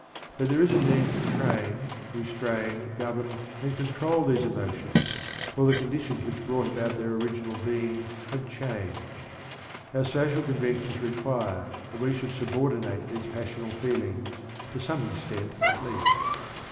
But there is a need to train, restrain, govern, and control these emotions, for the conditions which brought about their original being have changed. Our social conventions require that we should subordinate these passional feelings, to some extent at least.